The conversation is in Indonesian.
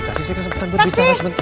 kasih saya kesempatan buat bicara sebentar